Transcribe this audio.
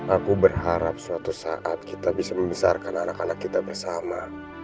aku berharap suatu saat kita bisa membesarkan anak anak kita bersama